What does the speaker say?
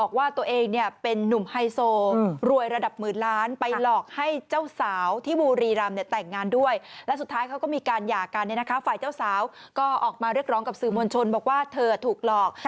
ก็ออกมาเรียกร้องกับสื่อมวลชนบอกว่าเธอถูกหลอก